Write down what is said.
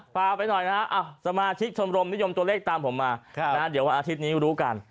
พาไปหน่อยนะฮะสมาชิกชมรมนิยมตัวเลขตามผมมาเดี๋ยววันอาทิตย์นี้รู้กัน